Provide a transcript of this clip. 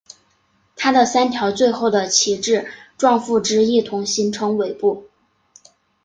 它的三条最后的旗帜状附肢一同形成尾部。